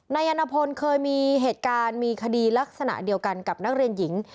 นายยันพลเคยมีเหตุการณ์มีคดีลักษณะเดียวกันกับนักเรียนหญิง